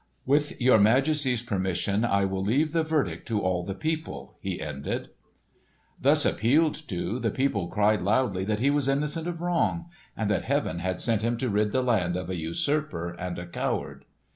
"With your Majesty's permission I will leave the verdict to all the people," he ended. Thus appealed to, the people cried loudly that he was innocent of wrong, and that Heaven had sent him to rid the land of a usurper and a coward.